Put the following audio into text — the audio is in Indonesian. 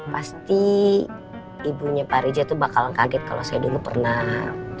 pasti ibunya pak reza itu bakal kaget kalau saya dulu pernah